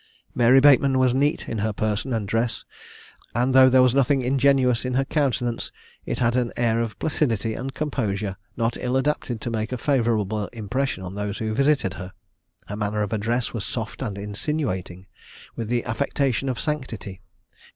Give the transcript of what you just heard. Mary Bateman was neat in her person and dress, and though there was nothing ingenuous in her countenance, it had an air of placidity and composure, not ill adapted to make a favourable impression on those who visited her. Her manner of address was soft and insinuating, with the affectation of sanctity.